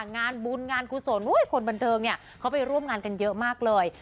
งานบุญงานกุศลคนบันเทิงเนี่ยเขาไปร่วมงานกันเยอะมากเลย